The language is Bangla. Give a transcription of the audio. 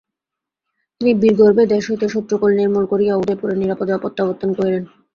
তিনি বীরগর্বে দেশ হইতে শত্রুকুল নির্মূল করিয়া উদয়পুরে নিরাপদে প্রত্যাবর্তন করিলেন।